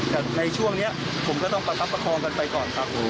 แต่ในช่วงนี้ผมก็ต้องประคับประคองกันไปก่อนครับ